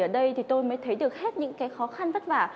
ở đây thì tôi mới thấy được hết những cái khó khăn vất vả